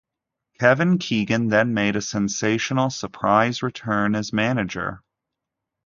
Kevin Keegan then made a sensational surprise return as manager.